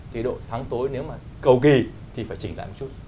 thì độ sáng tối nếu mà cầu kỳ thì phải chỉnh lại một chút